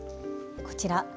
こちら。